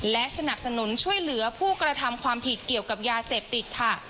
และสนับสนุนช่วยเหลือผู้กระทำความผิดเกี่ยวกับยาเสพติดค่ะ